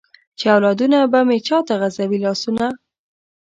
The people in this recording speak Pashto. چې اولادونه به مې چاته غزوي لاسونه ؟